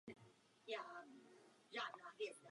Chci ještě něco říci, než toto zasedání přeruším.